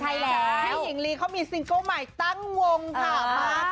พี่หญิงลีเขามีซิงเกิ้ลใหม่ตั้งวงค่ะมา